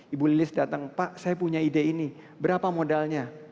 ibu lilis datang pak saya punya ide ini berapa modalnya